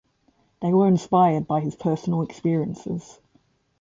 They were inspired by his personal experiences.